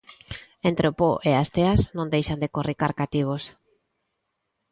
Entre o po e as teas, non deixan de corricar cativos.